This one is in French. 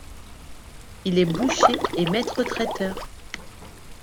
Il est boucher et maître-traiteur.